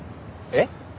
えっ？